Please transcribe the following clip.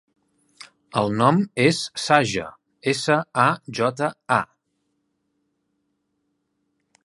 El nom és Saja: essa, a, jota, a.